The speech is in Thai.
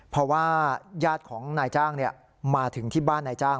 เพราะว่าญาติของนายจ้างมาถึงที่บ้านนายจ้าง